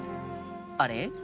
あれ？